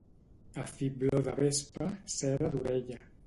A fibló de vespa, cera d'orella.